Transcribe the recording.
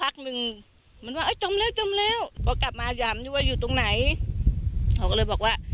เขาก็เลยบอกว่า